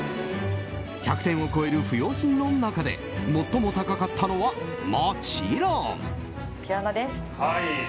１００点を超える不要品の中で最も高かったのはもちろん。